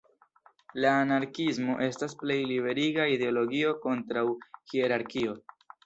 La anarkiismo estas plej liberiga ideologio kontraŭ hierarkio.